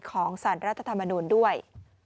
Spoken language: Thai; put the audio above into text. ของสารรัฐธรรมนูลด้วย